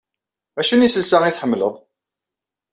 Acu n yiselsa ay tḥemmel?